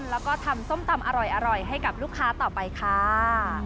แล้วก็ทำส้มตำอร่อยให้กับลูกค้าต่อไปค่ะ